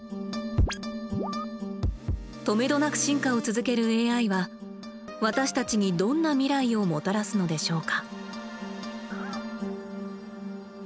とめどなく進化を続けるＡＩは私たちにどんな未来をもたらすのでしょうか？